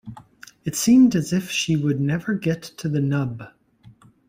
It seemed as if she would never get to the nub.